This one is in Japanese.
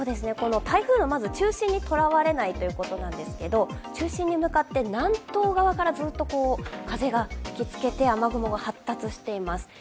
台風のまず中心にとらわれないということなんですけど、中心に向かって南東側からずっと風が吹きつけて雨雲が発達しています。